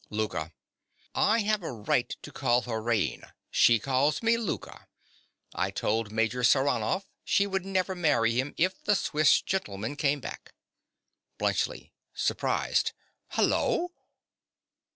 _) LOUKA. I have a right to call her Raina: she calls me Louka. I told Major Saranoff she would never marry him if the Swiss gentleman came back. BLUNTSCHLI. (surprised). Hallo!